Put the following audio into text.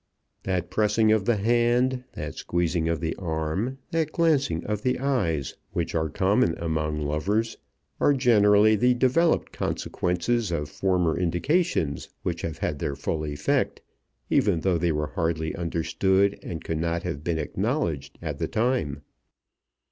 That pressing of the hand, that squeezing of the arm, that glancing of the eyes, which are common among lovers, are generally the developed consequences of former indications which have had their full effect, even though they were hardly understood, and could not have been acknowledged, at the time.